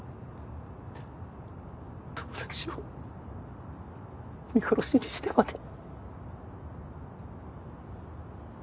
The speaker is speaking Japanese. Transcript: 友達を見殺しにしてまで。